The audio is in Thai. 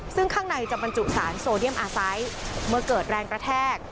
ซึ่งข้างในจะบรรจุสารโซเดียมอาศัยเมื่อเกิดแรงกระแทก